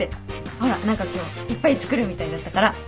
ほら何か今日いっぱい作るみたいだったから。